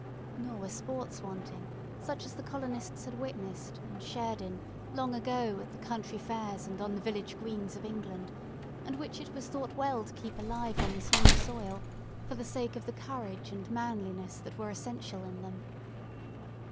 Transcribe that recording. Nor were sports wanting, such as the colonists had witnessed, and shared in, long ago, at the country fairs and on the village greens of England; and which it was thought well to keep alive on this new soil, for the sake of the courage and manliness that were essential in them.